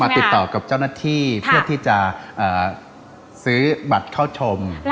ติดต่อกับเจ้าหน้าที่เพื่อที่จะซื้อบัตรเข้าชม